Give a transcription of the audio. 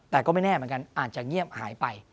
แต่ก็ไม่แน่เหมือนกันอาจจะเงียบหายไป